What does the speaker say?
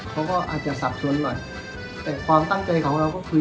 เขาก็อาจจะสับสนหน่อยแต่ความตั้งใจของเราก็คือ